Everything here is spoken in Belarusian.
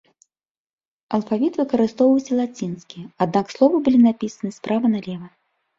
Алфавіт выкарыстоўваўся лацінскі, аднак словы былі напісаны справа налева.